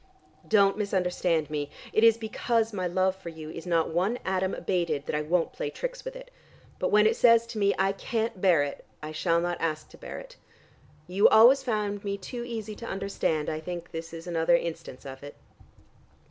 Don't misunderstand me. It is because my love for you is not one atom abated, that I won't play tricks with it. But when it says to me, 'I can't bear it,' I shall not ask to bear it. You always found me too easy to understand: I think this is another instance of it."